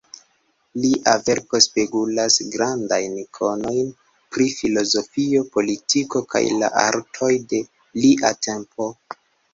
Lia verko spegulas grandajn konojn pri filozofio, politiko kaj la artoj de lia tempo.